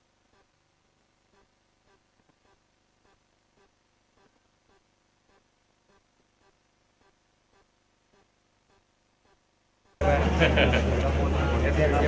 เมืองอัศวินธรรมดาคือสถานที่สุดท้ายของเมืองอัศวินธรรมดา